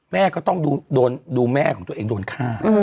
แม่ก็ต้องดูแม่ของตัวเองโดนฆ่า